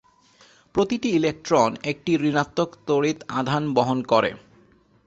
প্রতিটি ইলেকট্রন একটি ঋণাত্মক তড়িৎ আধান বহন করে।